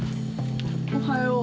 おはよう。